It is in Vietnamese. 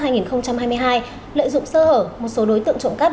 lợi dụng sơ hở một số đối tượng trộm cắp